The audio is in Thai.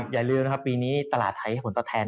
อย่าลืมี้ปีนี้ตลาดไทยผลตฐาน